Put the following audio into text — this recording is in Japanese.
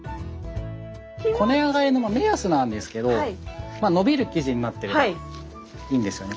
こねあがりの目安なんですけどのびる生地になっていればいいんですね。